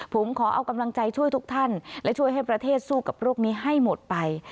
ผมขอเอากำลังใจช่วยทุกท่านและช่วยให้ประเทศสู้กับโรคนี้ให้หมดไป